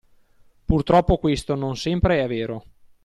Purtroppo questo non sempre è vero!